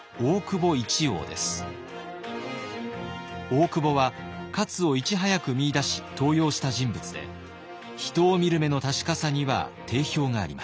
大久保は勝をいち早く見いだし登用した人物で人を見る目の確かさには定評がありました。